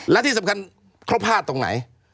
และที่สำคัญเขาพลาดตรงไหน